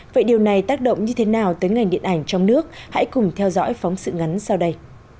vậy điều này tác động như thế nào tới ngành điện ảnh trong nước hãy cùng theo dõi phóng sự ngắn sau đây